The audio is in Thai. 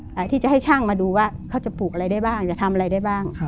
ที่จะให้ช่างมาดูว่าเขาจะปลูกอะไรได้บ้างจะทำอะไรได้บ้าง